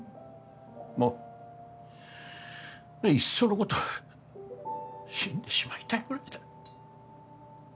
もういっそのこと死んでしまいたいぐらいだ